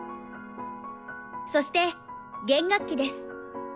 そして弦楽器です。